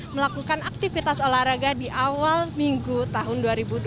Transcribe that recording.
melakukan aktivitas olahraga di awal minggu tahun dua ribu dua puluh satu